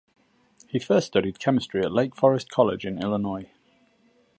He first studied chemistry at Lake Forest College in Illinois.